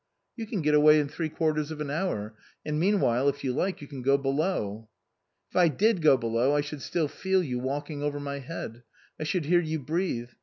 " You can get away in three quarters of an hour, and meanwhile, if you like, you can go below." " If I did go below I should still feel you walk ing over my head. I should hear you breathe.